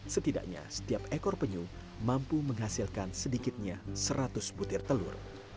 setidaknya setiap ekor penyu mampu menghasilkan sedikitnya seratus butir telur